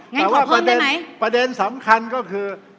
แต่ว่าประเด็นสำคัญก็คือ